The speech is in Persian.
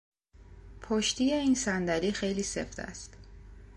پشتی این صندلی خیلی سفت است.